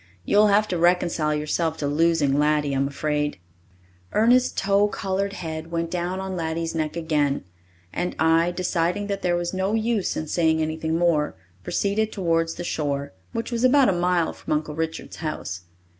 You'll have to reconcile yourself to losing Laddie, I'm afraid." Ernest's tow coloured head went down on Laddie's neck again, and I, deciding that there was no use in saying anything more, proceeded towards the shore, which was about a mile from Uncle Richard's house.